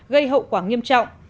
gây hậu quả nghiêm trọng